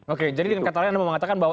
oke jadi katanya anda mengatakan bahwa